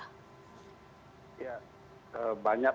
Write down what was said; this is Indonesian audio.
banyak permasalahan dalam pembentukan undang undang omnibus law cipta kerja itu